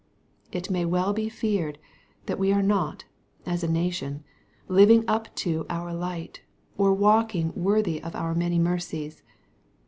It may well be feared, that we are not, as a nation, living up to our light, or walking worthy of our many mercies.